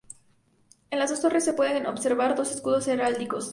En las dos torres se pueden observar dos escudos heráldicos.